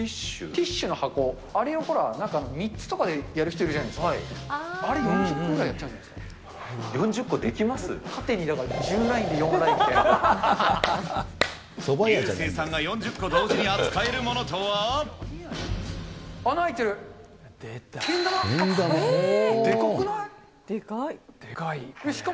ティッシュの箱、あれを３つとかでやる人いるじゃないですか、あれを４０個でやるんじゃないですか。